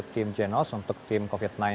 tim genos untuk tim covid sembilan belas